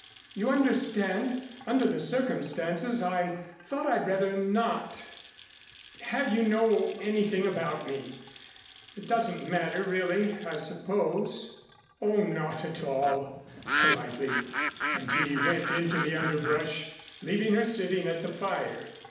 You understand under the circumstances, I thought I'd rather not have you know anything about me. It doesn't matter, really, I suppose." "Oh, no, not at all," politely, and he went into the underbrush, leaving her sitting at the fire.